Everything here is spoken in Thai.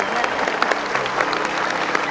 ขอบคุณทุกคน